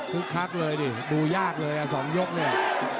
คึกคักเลยดิดูยากเลยอ่ะสองยกเนี่ย